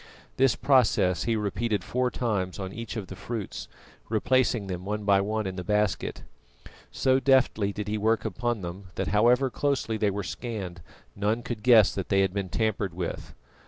This process he repeated four times on each of the fruits, replacing them one by one in the basket. So deftly did he work upon them, that however closely they were scanned none could guess that they had been tampered with.